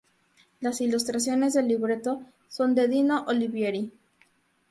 Las ilustraciones del libreto son de Dino Olivieri.